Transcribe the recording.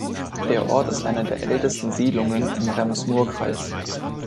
Der Ort ist eine der ältesten Siedlungen im Rems-Murr-Kreis.